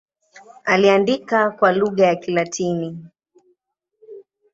Aliandika kwa lugha ya Kilatini.